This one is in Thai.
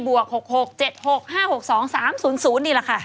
บวกหกหกเจ็ดหกห้าหกสองสามศูนย์ศูนย์นี่แหละค่ะ